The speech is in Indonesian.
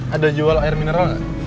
ada jual air mineral nggak